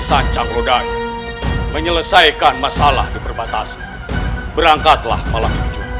sancaglodaya menyelesaikan masalah diperbatasan berangkatlah malam